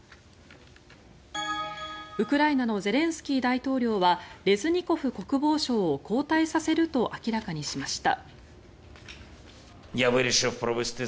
ウクライナのゼレンスキー大統領はレズニコフ国防相を交代させると明らかにしました。